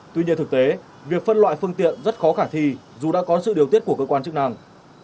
tuy nhiên thực tế việc phân loại phương tiện rất khó khả thi dù đã có sự điều tiết của cơ quan chức năng